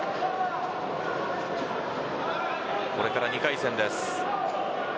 これから２回戦です。